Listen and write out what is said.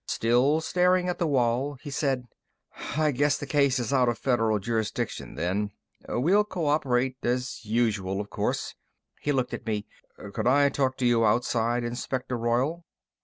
Still staring at the wall, he said: "I guess the case is out of Federal jurisdiction, then. We'll co operate, as usual, of course." He looked at me. "Could I talk to you outside, Inspector Royall?"